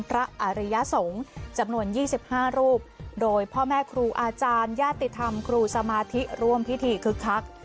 อริยสงฆ์จำนวน๒๕รูปโดยพ่อแม่ครูอาจารยาติธรรมครูสมาธิร่วมพิธีคึกคัก